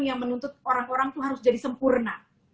yang menuntut orang orang itu harus jadi sempurna